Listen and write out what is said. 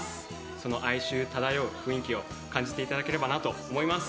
その哀愁漂う雰囲気を感じていただければなと思います。